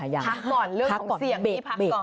พักก่อนเรื่องของเสี่ยงที่พักก่อน